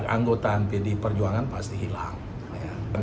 anggota pdi perjuangan pasti hilang ya